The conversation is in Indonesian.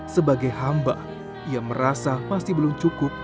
sebagai hamba ia merasa masih belum cukup